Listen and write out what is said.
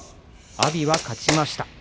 阿炎は勝ちました。